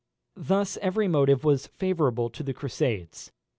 Thus every motive was favourable to the Crusades.